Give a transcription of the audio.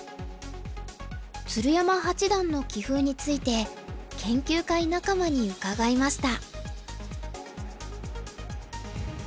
鶴山八段の棋風について研究会仲間に伺いました。